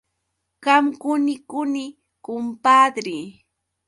Qam quni quni, kumpadri.